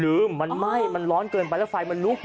มันไหม้มันร้อนเกินไปแล้วไฟมันลุก